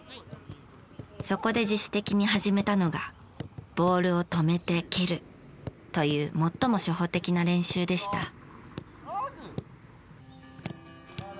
そこで自主的に始めたのがボールを止めて蹴るという最も初歩的な練習でした。